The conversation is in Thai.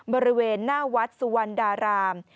บริเวณหน้าวัดสุวรรณดาราม